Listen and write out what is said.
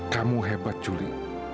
kamu hebat juli